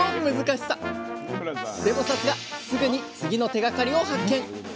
でもさすがすぐに次の手がかりを発見！